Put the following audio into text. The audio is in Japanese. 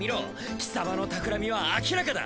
貴様のたくらみは明らかだ！